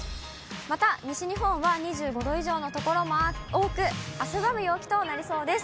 また、西日本は２５度以上の所も多く、汗ばむ陽気となりそうです。